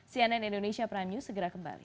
cnn indonesia prime news segera kembali